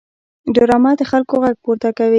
ډرامه د خلکو غږ پورته کوي